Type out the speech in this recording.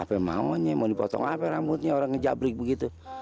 apa yang maunya mau dipotong apa rambutnya orang ngejabrik begitu